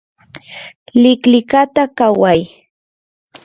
liqliqata qaway